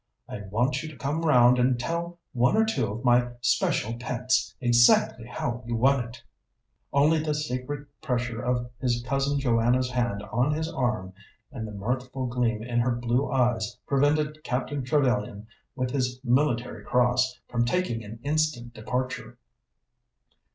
I want you to come round and tell one or two of my special pets exactly how you won it." Only the secret pressure of his Cousin Joanna's hand on his arm and the mirthful gleam in her blue eyes prevented Captain Trevellyan, with his Military Cross, from taking an instant departure.